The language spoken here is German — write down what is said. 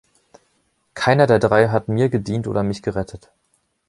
Keiner der drei hat mir gedient oder mich gerettet.